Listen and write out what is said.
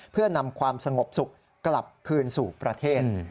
เพื่อนำความสงบสุขกลับคืนสู่ประเทศ